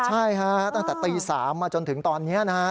ใช่ฮะตั้งแต่ตี๓มาจนถึงตอนนี้นะฮะ